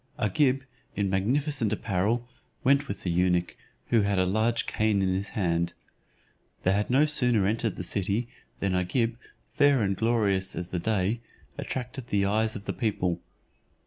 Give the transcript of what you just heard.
Agib, in magnificent apparel, went with the eunuch, who had a large cane in his hand. They had no sooner entered the city, than Agib, fair and glorious as the day, attracted the eyes of the people.